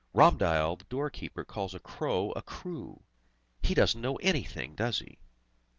Ramdayal the door keeper calls a crow a krow! He doesn't know anything, does he?"